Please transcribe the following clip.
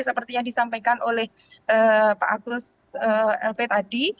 seperti yang disampaikan oleh pak agus lp tadi